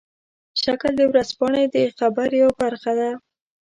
شکل د ورځپاڼې د خبر یوه برخه ده.